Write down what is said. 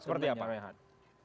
seperti apa pak rehan